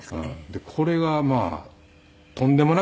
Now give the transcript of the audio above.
でこれがまあとんでもなく大変で。